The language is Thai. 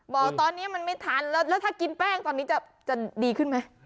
บอกตอนนี้มันไม่ทันแล้วถ้ากินแป้งตอนนี้จะดีขึ้นไหม